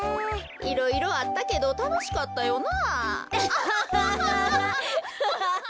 いろいろあったけどたのしかったよな。